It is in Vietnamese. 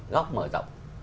góc mở rộng